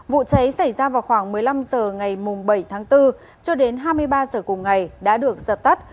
vụ cháy xảy ra vào khoảng một mươi năm h ngày bảy tháng bốn cho đến hai mươi ba h cùng ngày đã được dập tắt